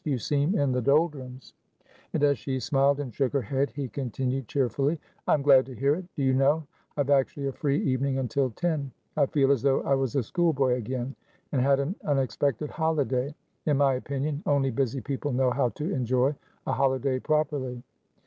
"You seem in the doldrums." And as she smiled and shook her head, he continued cheerfully, "I am glad to hear it. Do you know I have actually a free evening until ten? I feel as though I was a schoolboy again, and had an unexpected holiday. In my opinion, only busy people know how to enjoy a holiday properly."